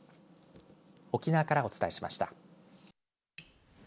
沖縄からお伝えしました。